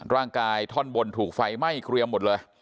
ร่างกายท่อนบนถูกไฟไหม้เกลียวหมดเลย